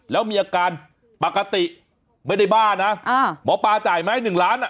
แล้วมีอาการปกติไม่ได้บ้านะหมอปลาจ่ายไหม๑ล้านอ่ะ